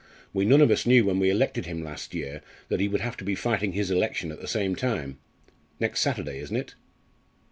We none of us knew when we elected him last year that he would have to be fighting his election at the same time. Next Saturday, isn't it?"